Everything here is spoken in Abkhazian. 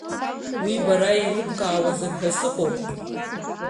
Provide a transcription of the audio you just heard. Уи бара иеилыбкаауазар ҳәа сыҟоуп.